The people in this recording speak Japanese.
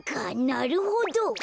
なるほど。